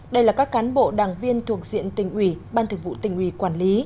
đây là các cán bộ đảng viên thuộc diện tỉnh ủy ban thực vụ tỉnh ủy quản lý